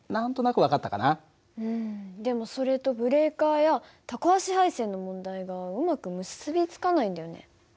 うんでもそれとブレーカーやタコ足配線の問題がうまく結び付かないんだよね。